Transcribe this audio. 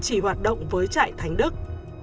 chỉ hoạt động với trại thánh đức